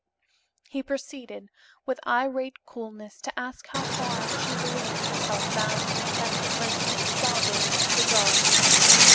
He proceeded, with irate coolness, to ask how far she believed herself bound to protect the person of Baldos, the guard.